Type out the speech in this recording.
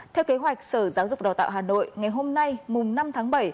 theo kế hoạch sở giáo dục đào tạo hà nội ngày hôm nay mùng năm tháng bảy